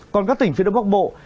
còn các tỉnh phía tây bắc bộ